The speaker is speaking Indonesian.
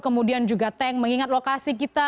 kemudian juga tank mengingat lokasi kita